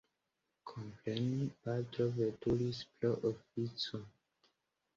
Komprenu, patro veturis pro oﬁco.